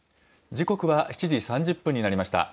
時刻は７時３０分になりました。